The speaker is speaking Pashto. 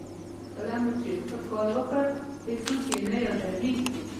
کله چې مو یو ښه کار وکړ هېڅوک یې نه یادوي.